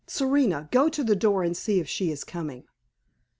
Serena, go to the door and see if she is coming."